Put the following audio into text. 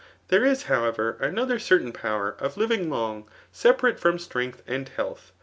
There ia, however, another certain poweic of living long separate from strength and heahh.